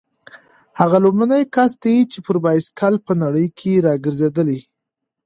هغه لومړنی کس دی چې پر بایسکل په نړۍ راګرځېدلی.